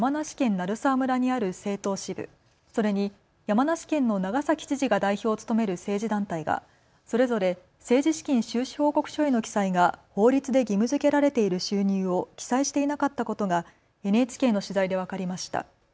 鳴沢村にある政党支部、それに山梨県の長崎知事が代表を務める政治団体がそれぞれ政治資金収支報告書への記載が法律で義務づけられている収入を記載していなかったことがＮＨＫの取材で分かりました。